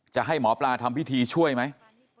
จะให้หมอปลาทำพิธีช่วยไหม